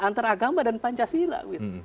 antara agama dan pancasila